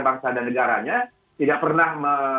bangsa dan negaranya tidak pernah